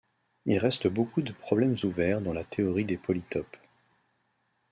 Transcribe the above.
Il reste beaucoup de problèmes ouverts dans la théorie des polytopes.